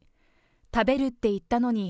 食べるって言ったのに。